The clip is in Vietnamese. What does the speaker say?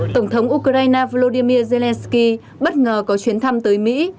tổng thống ukraine volodymyr zelensky bất ngờ có chuyến thăm tới mỹ